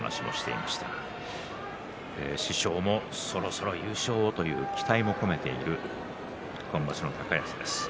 師匠もそろそろ優勝をと期待を込めている今場所の高安です。